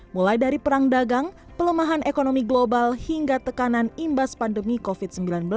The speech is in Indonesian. mulai dari perang dagang pelemahan ekonomi global hingga tekanan imbas pandemi covid sembilan belas